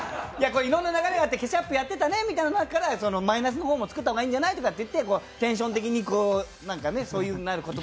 いろんな流れがあってケチャップやってたときにマイナスの方も作った方がいいんじゃないって、テンション的にそういうふうになる言葉。